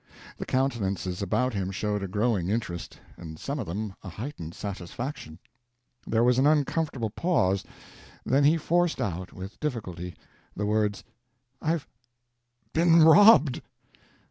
The countenances about him showed a growing interest; and some of them a heightened satisfaction. There was an uncomfortable pause—then he forced out, with difficulty, the words: "I've—been robbed!"